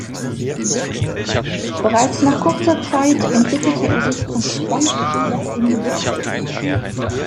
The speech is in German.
Bereits nach kurzer Zeit entwickelte er sich zum Stammspieler im Mittelfeld.